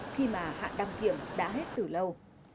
khi mà hạn đăng kiểm đã hết từ lâu